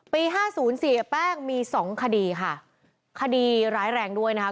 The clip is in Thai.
ปี๕๐๔แป้งมี๒คดีค่ะคดีร้ายแรงด้วยนะฮะ